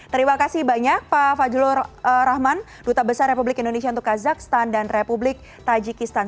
terima kasih banyak pak fajlur rahman duta besar republik indonesia untuk kazakhstan dan republik tajikistan